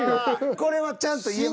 これはちゃんと言えます。